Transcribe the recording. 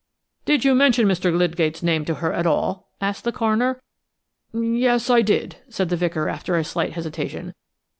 "Did you mention Mr. Lydgate's name to her at all?" asked the coroner. "Yes, I did," said the vicar, after a slight hesitation.